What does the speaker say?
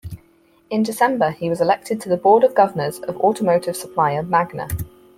In December, he was elected to the board of governors of automotive supplier Magna.